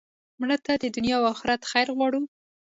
مړه ته د دنیا او آخرت خیر غواړو